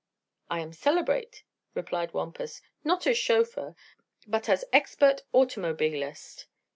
"I am celebrate," replied Wampus. "Not as chauffeur, but as expert automobilist."